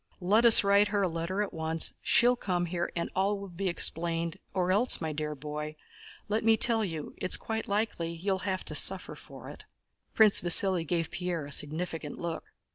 Let us write her a letter at once, and she'll come here and all will be explained, or else, my dear boy, let me tell you it's quite likely you'll have to suffer for it." Prince Vasíli gave Pierre a significant look.